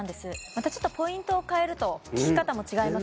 またちょっとポイントを変えると効き方も違いますよね